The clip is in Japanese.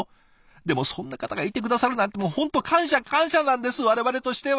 でもそんな方がいて下さるなんてもう本当感謝感謝なんです我々としては！